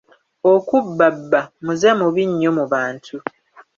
Okubbabba muze mubi nnyo mu bantu.